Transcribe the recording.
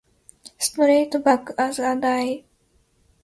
Straight back as a die.